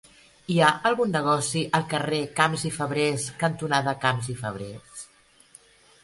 Hi ha algun negoci al carrer Camps i Fabrés cantonada Camps i Fabrés?